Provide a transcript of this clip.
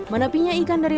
menepinya ikan dari